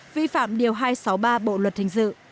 vi phạm điều hai trăm sáu mươi ba bộ luật hình dự